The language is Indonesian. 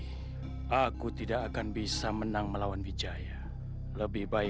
kekuatan batu biru itu hebat sekali